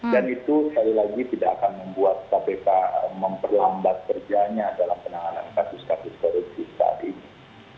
dan itu sekali lagi tidak akan membuat kpk memperlambat kerjanya dalam penanganan kasus kasus korupsi saat ini